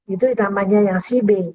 itu namanya yang cb